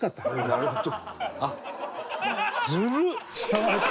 なるほど。